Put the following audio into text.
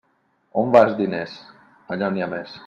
On vas, diners? Allà on n'hi ha més.